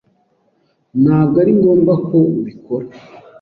Ntabwo ari ngombwa ko ubikora.